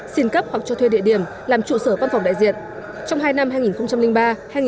xin cấp hoặc cho thuê địa điểm làm trụ sở văn phòng đại diện